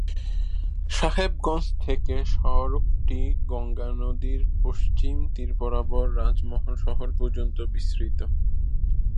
সাহেবগঞ্জ থেকে সড়কটি গঙ্গা নদীর পশ্চিম তীর বরাবর রাজমহল শহর পর্যন্ত বিস্তৃত।